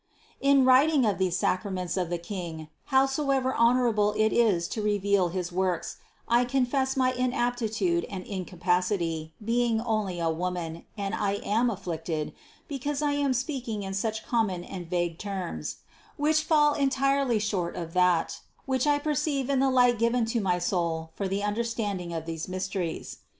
236. In writing of these sacraments of the King, howsoever honorable it is to reveal his works, I confess my inaptitude and incapacity, being only a woman, and I am afflicted, because I am speaking in such common and vague terms, which fall entirely short of that, which I perceive in the light given to my soul for the under 192 CITY OF GOD standing of these mysteries.